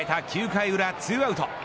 ９回裏、２アウト。